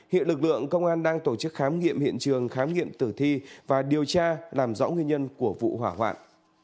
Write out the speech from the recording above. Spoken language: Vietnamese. hiện lực lượng công an đang tổ chức khám nghiệm hiện trường khám nghiệm tử thi và điều tra làm rõ nguyên nhân của vụ hỏa hoạn